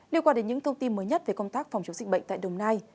liên quan đến những thông tin mới nhất về công tác phòng chống dịch bệnh tại đồng nai